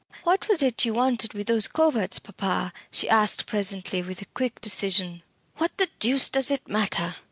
"What was it you wanted about those coverts, papa?" she asked presently, with a quick decision. "What the deuce does it matter?